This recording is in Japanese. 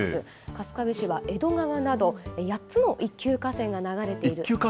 春日部市は江戸川など、８つの一級河川が流れていて。